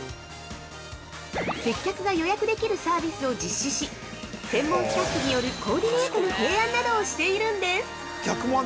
接客が予約できるサービスを実施し、専門スタッフによるコーディネートの提案などをしているんです。